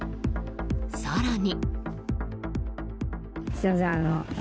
更に。